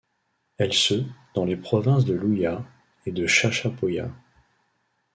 Elle se dans les provinces de Luya et de Chachapoyas.